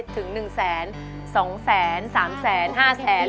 ถึงหนึ่งแสนสองแสนสามแสนห้าแสน